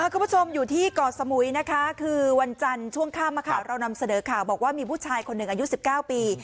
คุณผู้ชมอยู่ที่เกาะสมุยนะคะคือวันจันทร์ช่วงค่ำเรานำเสนอข่าวบอกว่ามีผู้ชายคนหนึ่งอายุ๑๙ปี